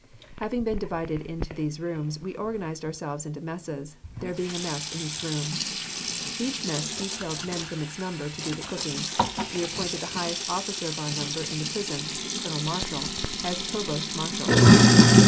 Having been divided in these rooms, we organized ourselves into messes, there being a mess in each room. Each mess detailed men from its number to do the cooking. We appointed the highest officer of our number in the prison, Colonel Marshall, as provost marshal.